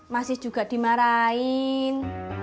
masih juga dimarahin